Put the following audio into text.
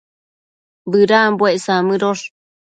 Bëdambuec samëdosh